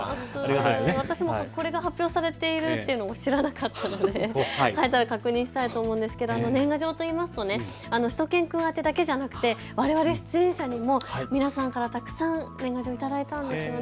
私もこれが発表しているというのを知らなかったので帰ったら確認したいと思いますが、年賀状といいますとしゅと犬くん宛てだけではなくわれわれ出演者にも皆さんからたくさん年賀状を頂いたんですよね。